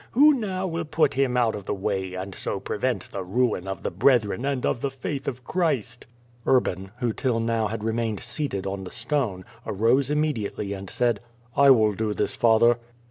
Who now will put him out of the way, and so prevent the ruin of the brethren and of the faith of Christ?" Urban, who till now had remained seated on the stone, arose immediately and said: "I will do this, father."